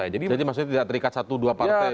jadi tidak terikat satu dua partai